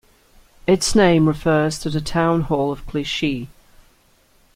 Its name refers to the town hall of Clichy.